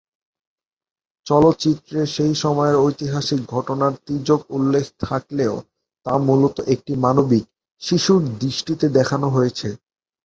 চলচ্চিত্রে সেই সময়ের ঐতিহাসিক ঘটনার তির্যক উল্লেখ থাকলেও তা মূলত একটি মানবিক, শিশুর দৃষ্টিতে দেখানো হয়েছে।